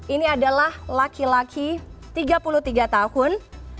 ini adalah laki laki tiga puluh tiga tahun